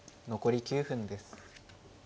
残り９分です。